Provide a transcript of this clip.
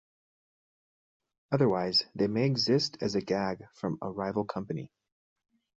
Otherwise, they may exist as a gag from a rival company.